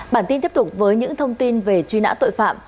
bản tin tiếp tục với những thông tin về truy nã tội phạm